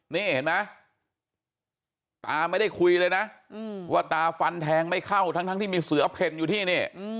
นี่เห็นไหมตาไม่ได้คุยเลยนะว่าตาฟันแทงไม่เข้าทั้งที่มีเสือเพ่นอยู่ที่นี่